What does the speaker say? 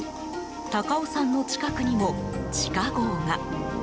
高尾山の近くにも地下壕が。